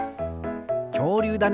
きょうりゅうだね。